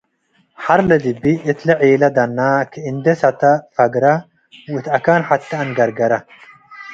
ሐር ለድቢ እት ለዔለ ደነ ከእንዴ ሰተ ፈግረ ወእት አካን ሐቴ አንገርገረ።